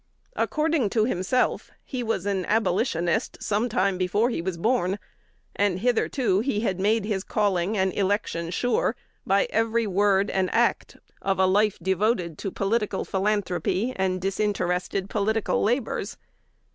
According to himself, he was an Abolitionist "sometime before he was born," and hitherto he had made his "calling and election sure" by every word and act of a life devoted to political philanthropy and disinterested political labors.